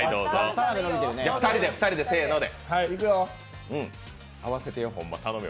２人でせーので。